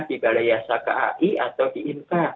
di balai yasa kai atau di inka